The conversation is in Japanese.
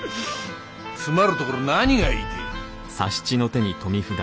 詰まるところ何が言いてえんだ。